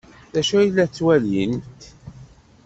D acu ay la ttwalint?